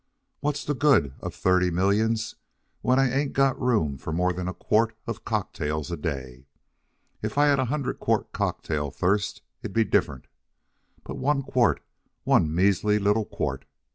What's the good of thirty millions when I ain't got room for more than a quart of cocktails a day? If I had a hundred quart cocktail thirst, it'd be different. But one quart one measly little quart!